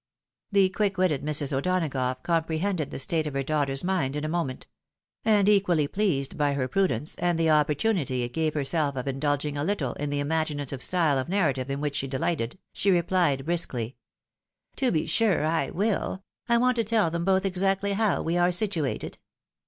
The quick witted Mrs. O'Donagough comprehended the state of her daughter's mind in a moment ; and equally pleased by her prudence, and the opportunity it gave herself of indulging a little in the imaginative style of narrative in which she de lighted, she replied, briskly, 220 THE WIDOW MARRIED. " To be sure I will ! 1 want to tell them both exactly how we are situated.